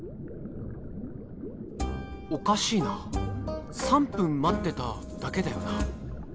おかしいな３分待ってただけだよな。